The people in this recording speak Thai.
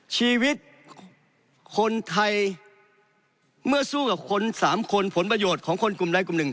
ชีวิตคนไทยเมื่อสู้กับคนสามคนผลประโยชน์ของคนกลุ่มใดกลุ่มหนึ่ง